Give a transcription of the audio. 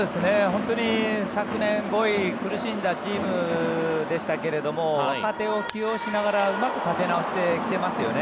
本当に昨年、５位苦しんだチームでしたけれども若手を起用しながらうまく立て直してきてますよね。